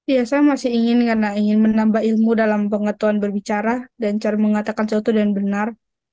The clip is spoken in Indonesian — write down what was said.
ya saya masih ingin karena ingin menambah ilmu dalam pengetahuan berbicara dan cara mengatakan sesuatu dan benar